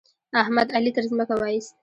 احمد؛ علي تر ځمکه واېست.